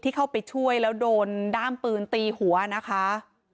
เข้าไปช่วยแล้วโดนด้ามปืนตีหัวนะคะ